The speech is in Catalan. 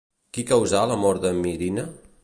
Qui causà la mort de Mirina?